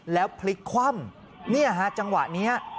แล้วพลิกคว่ำเนี่ยฮะจังหวะนี้